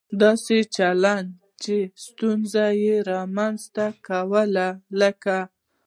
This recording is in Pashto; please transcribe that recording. داسې چلن څو ستونزې رامنځته کوي، لکه